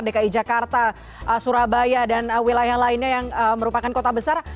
dki jakarta surabaya dan wilayah lainnya yang merupakan kota besar